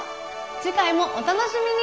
次回もお楽しみに。